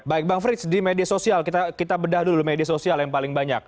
baik bang frits di media sosial kita bedah dulu media sosial yang paling banyak